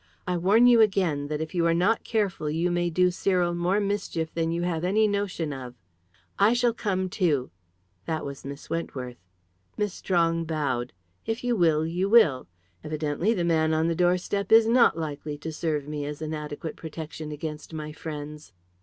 I warn you again, that if you are not careful you may do Cyril more mischief than you have any notion of." "I shall come too." This was Miss Wentworth. Miss Strong bowed. "If you will, you will. Evidently the man on the doorstep is not likely to serve me as an adequate protection against my friends."